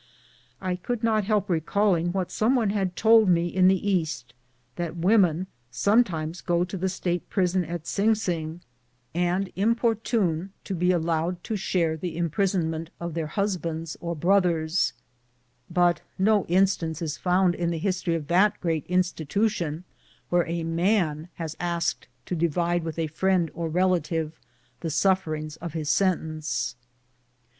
I could not help recalling what some one had told nie in the East, that women sometimes go to the State prison at Sing Sing and importune to be allowed to share the imprisonment of their husbands or brotliers; but no in stance is found in the history of that great institution where a man has asked to divide witli a friend or rela tive the sufferings of his sentence.